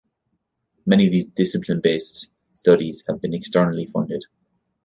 Many of these discipline-based studies have been externally funded.